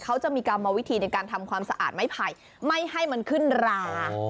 เขาจะมีกรรมวิธีในการทำความสะอาดไม้ไผ่ไม่ให้มันขึ้นรา